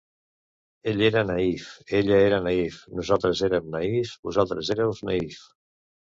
Ell era naïf, ella era naïf, nosaltres érem naïfs, vosaltres éreu naïfs.